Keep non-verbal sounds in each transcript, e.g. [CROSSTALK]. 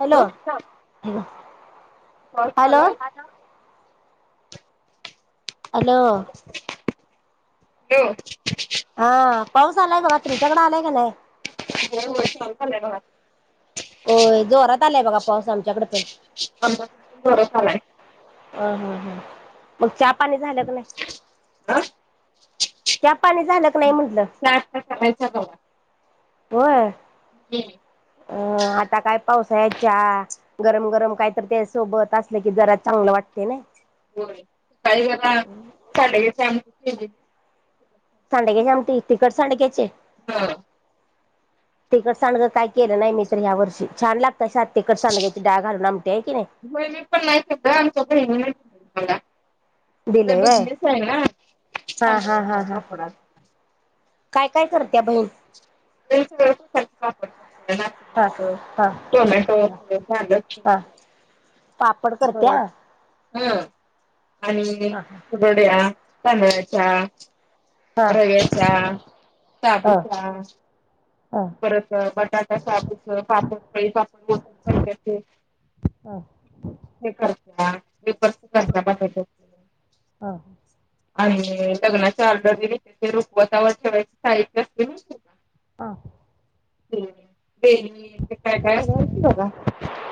Hello hello. Hello. Hello. हा पाऊस आलाय काातर चगडा आलाय का नाही. हो जोरात आलाय बघा पाऊस आमच्याकडे पण. अ हम हम मग प. पा झालं नाही त्या पाणी झालं. का नाही म्हंटलं च करायचा ग. हो आहे. अ आता काय पाऊस याच्या गरम गरम काय तर त्या सोबत असलं की जरा. चांगलं वाटते ना. हो काही बला सा. सांडग्याच्यामती तिकट सांडग्याचे. हा. तिकड सड काय केलं नाही मी्र ह्या वर्षी छान लागत. नाही हो मी पण नाही शदा आमच्या प नाही मला. त दिलंय व्हय बिजनेस आहे हा हा हा हा नागलाड. काय काय करते्या बहीण. जप हा कापडत. हा टोमॅटो अस भाजर. हा पापड करत्या. हा आणि हा हा पुरोड्या तांदळाच्या. हा रवे्याचा हा साबूचा. हा परत बटाटा साबूस पापड फळी पापड मोतसारखे. हा ते ख पेप खचा बठ. हा आणि लग्नाचे ऑर्डर दिली रुखवतावर ठेवायचे साहित्य असले ना. [INAUDIBLE] कायसती बघ.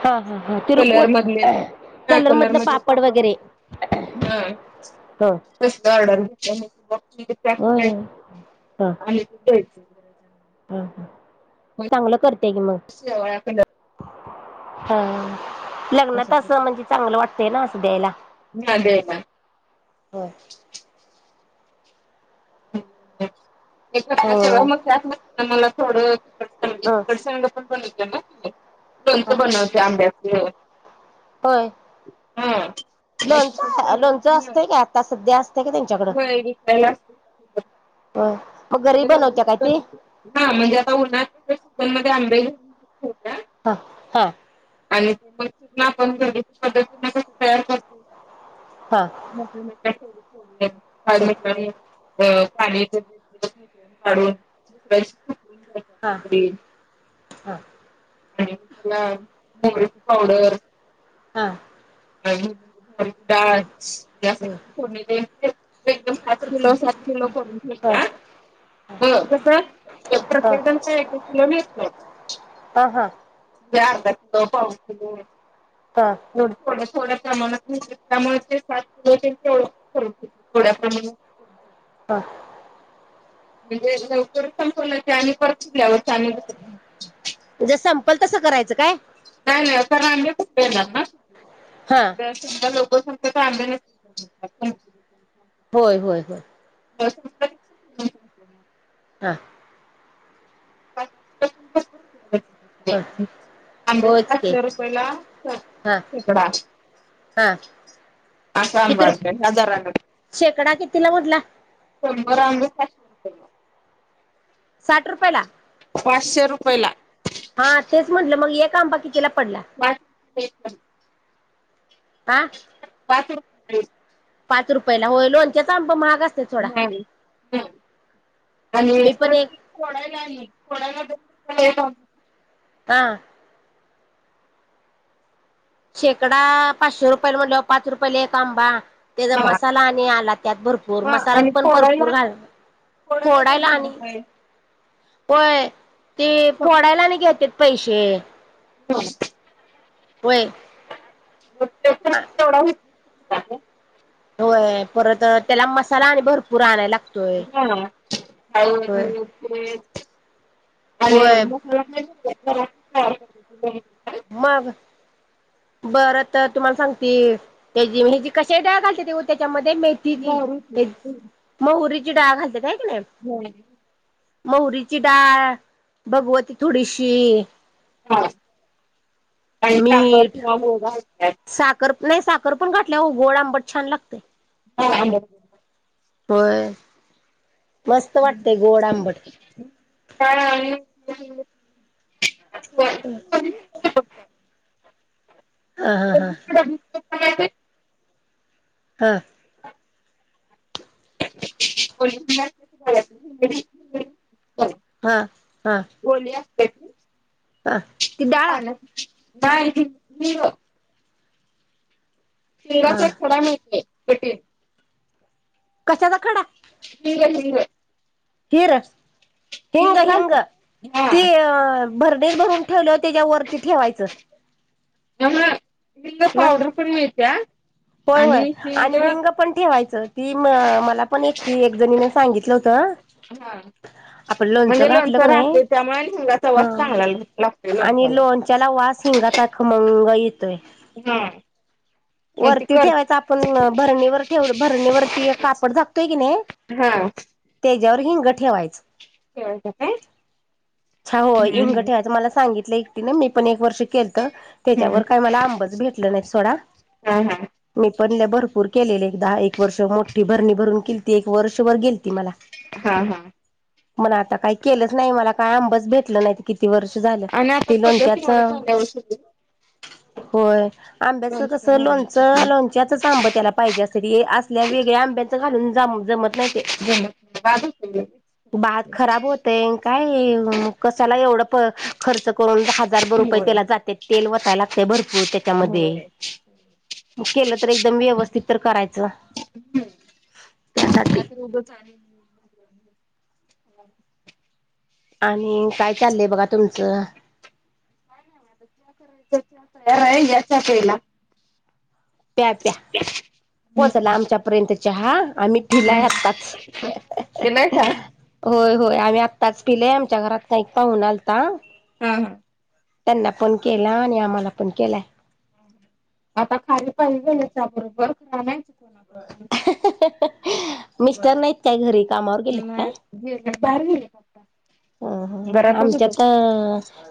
हा हा कलर तिरकवत मधले, ह कलर मधलं मधले पापड वापर वगैरे असते. ह हमड. होय करायच आणि द्यायच. ह ह चांगलं करते. की मग कसवाक. हा लग्नात असं म्हणजे चांगलं वाटतंय ना असं द्यायला. ना दे ना. होय सगळं होय मगतते ना मला थोडं. तिकड ह पण बनवलं ना दोच बनवते आंब्याचे. होय लोणच लोणचं असतय का आता सध्या अस. हो विकयला असत. ब. [UNINTELLIGIBLE] हा म्हणजे आता उन्हात [UNINTELLIGIBLE] ह हा. आणि मग आपण [UNINTELLIGIBLE] पद्धतीने कसं तयार करत हा म्ह मडीली पाय हा मणी. अ पाण्या काढून्या हा हा चछणण हा. आणिला मुंगरीची पावडर हा. डाचंणीले. एकदम पाात किलो सात किलो करून हा ठे कसं प्रत्येक जणचे एक-एक किलो मिळतो. हा हा अर्धा कलो पा किलो हा हो थोडं थोड माणमाचे सात किलो थोड्या प्रमाणात हा म्हणजे लवकरच संपव ना आणि परचल्यावर आणिस पल तसं करायचं काय नाही नाही कार आम्हीेणार हा नाधा लोक त होय होय होय डटण हा. पाच हा वर्षपासून [UNINTELLIGIBLE] [UNINTELLIGIBLE] होच की पाचशे रुपयाला हा शेकडा. हा असं‌ आंबं किती रुप हायत हजारन. शेकडा कितीला म्हटला शंभर आंबे [UNINTELLIGIBLE] साठ रुपयला? पाचशे रुपये ला. हा तेच म्हंटलं मग एक आंबा कितीला पडला? हा [UNINTELLIGIBLE] पाच रूपये. पाच रुपयाला होय, लोणच्याचं आंबं महाग असते थोडा हम हम आणि मी पण परत एक फोडायला आणि फोडायला [UNINTELLIGIBLE] आ शेकडा पाचशे रुपयेला म्हणल्याव, पाच रुपयेला एक आंबा. त्याचा मसाला आणि आला त्यात भरपूर मसालात पण भरपूर घाल फोडायला दोनशे रुपये. होय ते फोडायला आणि घेत्यात पैसे. [INAUDIBLE] व्हय. [INAUDIBLE] [UNINTELLIGIBLE] [INAUDIBLE] होय परत अ त्याला मसाला आणि भरपूर आणायला लागतोय. होय. [UNINTELLIGIBLE] आणि होय [UNINTELLIGIBLE] मग बरं त तुम्हाला सांगती त्याजी ह्याजी कशाला डाळ घालत्याती ओ त्याच्याम ते मेथीची महुरीची डाळ घालतात हाय की नाही होम. मोहरीची डाळ, भगवती थोडीशी हा, आणि साखर मीठ किंवा मुग घालतेत. साखर नाही साखर पण घातल्याव गोड आंबट छान लागतंय. [UNINTELLIGIBLE] होय. मस्त वाटते गोड आंबट [UNINTELLIGIBLE] [INAUDIBLE] हा हा हा. [INAUDIBLE] हा. [UNINTELLIGIBLE] हा हा. हे मी हा ती हे डाळ पाण्यात नाय मी मी ग हा हिंगाचा एक खोडा मिलतोय [UNINTELLIGIBLE] कशाचा खडा? [UNINTELLIGIBLE] हिर हिंग हिंग ते भरडेच भरून ठेवल्यावर त्याच्या वरती ठेवायचं. त्यामूळ हिंग मग पावडर पण मिळतीया होय होय आणि हिंग पण ठेवायचं ती मला पण एकटी एक जणीने सांगितलं होत. [UNINTELLIGIBLE] हा. आपण लोणच घातलं कनी हा आणि लोणच्याला वास ये. गाचा खमंग येतोय. हम्म. वरती ठेवायच आपण भरणीवर ठेव भरणीवरती कापड झाकतोय कनी हम्म ह. त्याच्यावर हिंग ठेवायच. अच्छा होय हींग ठेवायचं मला सांगितलय. मी पण एक वर्ष केलत त्याच्यावर काय मला आंबच भेटलं नाही सोडा हा हा. मी पण भरपूर केलेले एक दहा एक वर्ष मोठी भरणी भरून केलती एक वर्ष भर गेलती मला हा हा. मण आता काही केलंच नाही मला काय आंबच भेटलं नाहीत की किती वर्ष झालं ते लोणच्याच होय आंब्याच कस ते लोणचं लोणच्याच आंबं त्याला पाहिजे असत्यात हे असल्या वेगळ्या आंब्याचं घालून जाम जमत जमत आत खराब होतय काय हे कशाला एवढं खर्च करून हजार भर रुपये त्याला जाते तेल वतायला लागतय भरपूर त्याच्यामध्ये केलं तर एकदम व्यवस्थित तर करायचं. त्यासाठी [UNINTELLIGIBLE] [INAUDIBLE] आणि काय चाललंय बघा तुमचं काय नाही आता चहा करायचं चहा तयार आहे या चहा प्यायला. प्या प्या पोहचला आमच्यापर्यंत चहा आम्ही पिलाय आताच होय होय आम्ही आत्ताच पिलेय आमच्या घरात ना एक पाहूना आलता. हा हा. त्यांना फोन केला आणि आम्हाला पण केलाय. आता खारी पाारी झालाचा बरोबर खरा नाहीच कोण आता जाऊ. मिस्टर नाहीत काय घरी कामावर गेलेत नाही बर आता अ आमच्यात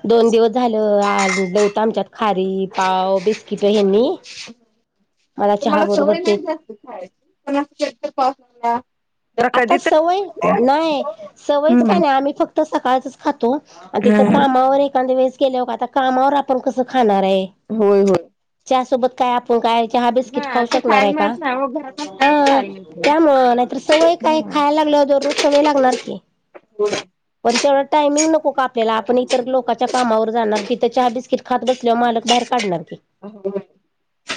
दोन दिवस झालं आ देवत आमच्यात खारी पाव बस्किट हनी तुम्हाला सवय नाही तेच जास्त खायची पण असं तर पासला आता सवय नाही सवयच काय हम्म नाही आम्ही फक्त सकाळच तिथ कामावर एखाद्या वेळेस गेल्यावर आता कामावर आपण कस खाणार होय होय त्या सोबत काय आपण काय चहा बिस्कीट खाऊ शकणार आहे का हो त्यामुळं नाही तर सवय काही खायाला लागल्यावर दररोज सवय लागणार की पण तेवढा टाईम नको का आपल्याला आपण इथं तिथ लोकांच्या कामावर जाणार तिथ चहा बिस्किट खात बसल्यावर मालक बाहेर काढणार की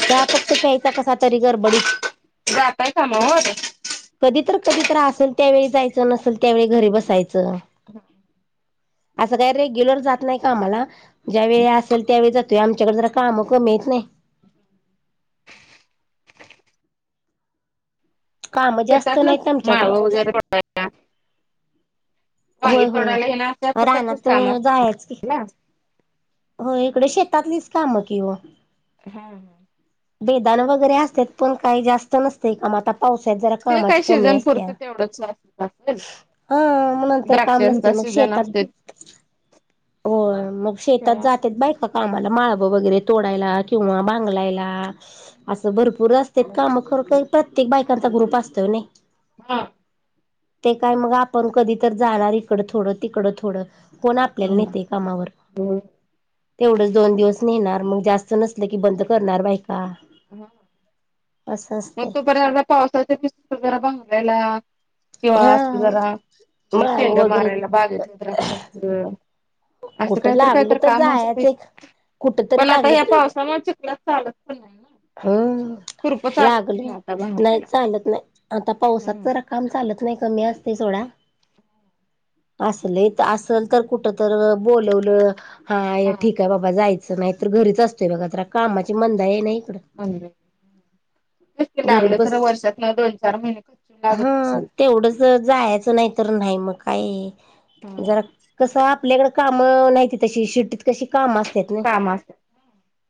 चहा फक्त प्यायचा कसा तरी गरबडीत जातय कामवर कधीतरी असल त्यावेळी जायचं नसेल त्यावेळी घरी बसायचं हम्म असं काय रेग्युलर जात नाही कामाला ज्यावेेळी असेल त्यावेळी जातोय आमच्याकडे जरा काम कमी आहेत नी [INAUDIBLE] कामं जास्त शेतातलंच नाहीत माळ आमच्याकडं वगैरे पड होय होय. तोडाला ये ना अश प्रकारचेच रानात काम जायच की असणार हो इकडे शेतातलीच काम कि हो हा हम बेदाान वगैरे असत पण काही जास्त नसते काम आता पावसत जरा कामाची कमी असते हा म नंतर काम नसते झन असते हो मग शेतात जातेत बाय का काम ला माळब वगैरे तोडायला किंवा बांगलायला असं भरपूर रस्तेत काम कर प्रत्येक बायकांचा ग्रुप असतोय नाही हा ते काय मग आपण कधी तर जाणार इकड थोडं तिकडं थोडं कोण आपल्याला नेते कामावर तेवढंच दोन दिवस नेणार मग जास्त नसल की बंद करणार बा ह मग असतंय तोपर्यंत पावसाचे दिसगरा बांगायला किंवा अस हा जरा माळव शेंड वगैरे मारायला बागेतलं तर समज असं कुठं काहीत लागलं काहीतर तर काम असते जायचं एक कुठ तरी पण आता लागलं या तरी पावसा म चुकला चालत प नाही ना हम लागलं नाही चालत नाही आता पावसात जरा काम चालत नाही कमी असते सोडा असल तर असल तर कुठ तर बोलवलं हा ठीक आहे बाबा जायचं असं नाही तर घरीच असतोय बघा तर कामाची मंदा आहे नाही हम् घरी बस हा तेवढंच जायचं नाही तर नाही मग काय ज कस आपल्याकड काम नाहीती तशी शि्टीत कशी काम असत ना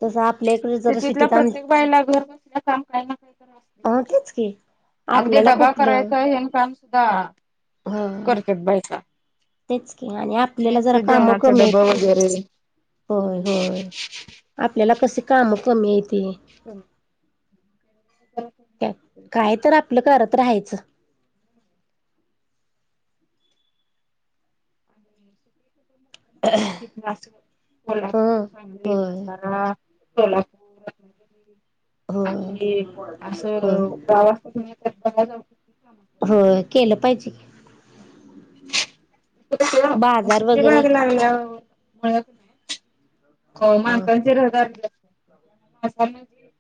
तस त ततल्या प्रत्येक बाईला घर बसण्या काम काही ना काही अस अ जाव तेच की अगदी आपल्याला डबा कुठलं करायचा हेन काम सुद्धा ह करत बायचा तेच क आणि आपल्या ज काम कय होय याला कसं काम कमी येते ह काय तर आप आपलं करत राहायचं क अस ह कोल्हापूर सांगली होय सातारा सोलापुर होय हो असं गावात तर बघा [INAUDIBLE] हो केलं पाहिजे हम् [UNINTELLIGIBLE] बाजार डत्री वगैरे भाग लागला मुळत नाही [INAUDIBLE] हो माणसांचे रदार माणसां [INAUDIBLE]